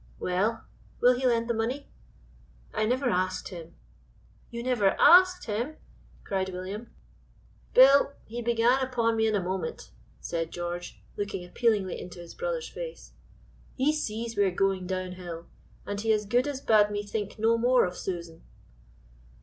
"Well, will he lend the money?" "I never asked him." "You never asked him!" cried William. "Bill, he began upon me in a moment," said George, looking appealingly into his brother's face; "he sees we are going down hill, and he as good as bade me think no more of Susan."